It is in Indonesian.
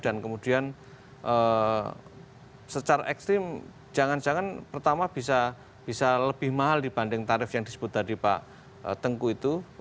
kemudian secara ekstrim jangan jangan pertama bisa lebih mahal dibanding tarif yang disebut tadi pak tengku itu